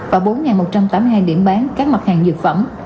và bốn một trăm tám mươi hai điểm bán các mặt hàng dược phẩm